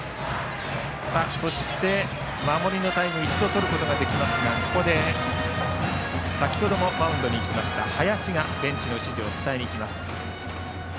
そして、守りのタイムを一度とることができますがここで先程もマウンドに行きました林がベンチの指示を伝えに行きます。